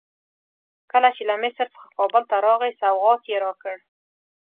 کله چې له مصر څخه کابل ته راغی سوغات یې راکړ.